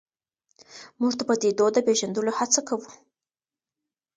موږ د پدیدو د پېژندلو هڅه کوو.